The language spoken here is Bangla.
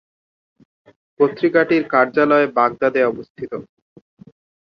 পত্রিকাটির কার্যালয় বাগদাদে অবস্থিত।